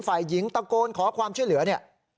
ฝ่ายหญิงตะโกนขอความช่วยเหลือเนี่ย